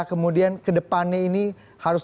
kemudian ke depannya ini harus